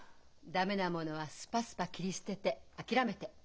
駄目なものはスパスパ切り捨てて諦めて。